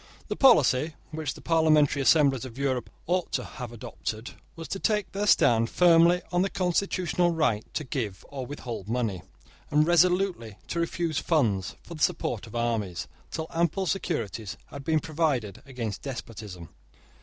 The policy which the parliamentary assemblies of Europe ought to have adopted was to take their stand firmly on their constitutional right to give or withhold money, and resolutely to refuse funds for the support of armies, till ample securities had been provided against despotism.